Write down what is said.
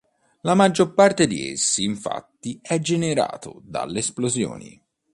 La maggior parte di essi, infatti, è generato dalle esplosioni.